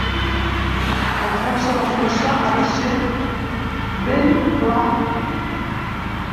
El fons de la fossa ha d'ésser ben pla.